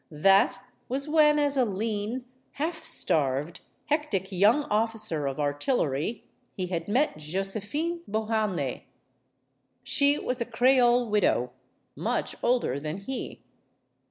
That was when, as a lean, half starved, hectic young officer of artillery, he had met Josephine Beau harnais. She was a Creole widow, much older than he.